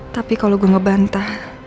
tapi kalau gue ngebantah